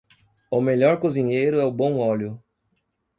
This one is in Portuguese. O melhor cozinheiro é o bom óleo.